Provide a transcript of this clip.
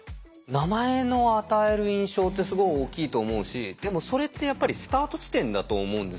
名前の与える印象ってすごい大きいと思うしでもそれってやっぱりスタート地点だと思うんですよね。